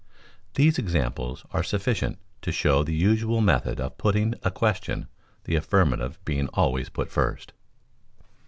These examples are sufficient to show the usual methods of putting a question, the affirmative being always put first.